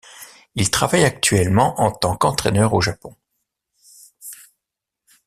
Il travaille actuellement en tant qu'entraîneur au Japon.